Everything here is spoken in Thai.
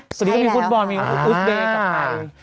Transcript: ตอนนี้ก็มีฟุตบอลอุ๊สเบย์กับไทย